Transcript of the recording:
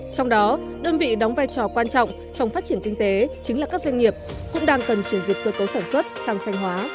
trong đó đơn vị đóng vai trò quan trọng trong phát triển kinh tế chính là các doanh nghiệp cũng đang cần chuyển dịch cơ cấu sản xuất sang xanh hóa